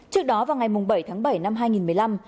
trước đó vào ngày bảy tháng bảy năm hai nghìn một mươi năm